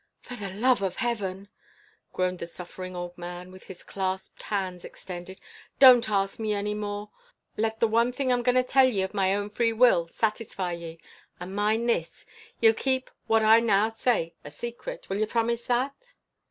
"For the love of heaven!" groaned the suffering old man, with his clasped hands extended, "don't ask me any more. Let the one thing I'm goin' to tell ye of my own free will satisfy ye. And, mind this, ye'll keep what I now say a secret. Will ye promise that?"